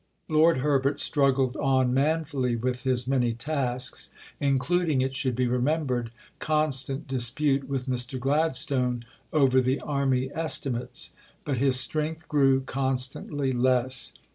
Lord Herbert struggled on manfully with his many tasks (including, it should be remembered, constant dispute with Mr. Gladstone over the Army Estimates), but his strength grew constantly less.